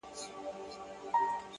نیک اخلاق تلپاتې درناوی زېږوي!